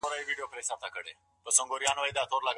قلم بې رنګه نه وي.